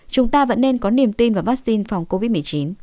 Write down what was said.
chúng ta vẫn nên có niềm tin vào vaccine phòng covid một mươi chín